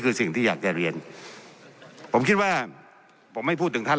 คือสิ่งที่อยากจะเรียนผมคิดว่าผมไม่พูดถึงท่าน